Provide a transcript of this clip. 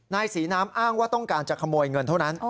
นายศรีน้ำอ้างว่าต้องการจะขโมยเงินเท่านั้น